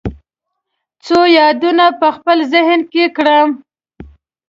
څو یادونه په خپل ذهن کې کرم